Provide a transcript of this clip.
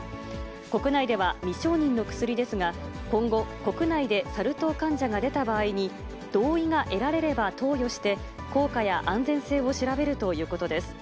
国内では未承認の薬ですが、今後、国内でサル痘患者が出た場合に、同意が得られれば投与して、効果や安全性を調べるということです。